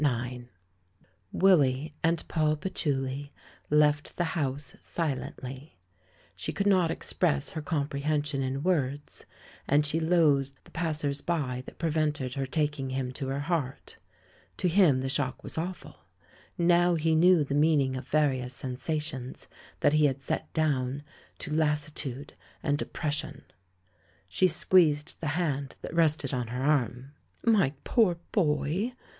IX Willy and Poll Patchouli left the house silently. She could not express her comprehen sion in words, and she loathed the passers bj^ that prevented her taking him to her heart. To him the shock was awful. Now he knew the meaning of various sensations that he had set down to "lassitude" and "depression"! She squeezed the hand that rested on her arm. "My poor boy!"